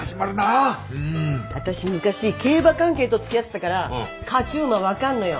私昔競馬関係とつきあってたから勝ち馬分かんのよ。